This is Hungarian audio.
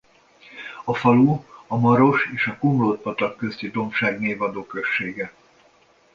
A falu a Maros és a Komlód-patak közti dombság névadó községe.